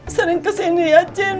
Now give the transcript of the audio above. sering kesini ya cin